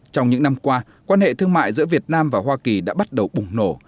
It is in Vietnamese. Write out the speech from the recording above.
trong những năm qua quan hệ thương mại giữa việt nam và hoa kỳ đã bắt đầu bùng nổ